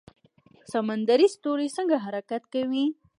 سمندري ستوری څنګه حرکت کوي؟